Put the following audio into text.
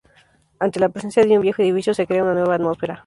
Ante la presencia de un viejo edificio se crea una nueva atmósfera.